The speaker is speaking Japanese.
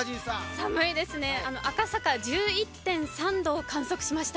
寒いですね赤坂１１．３度を観測しました。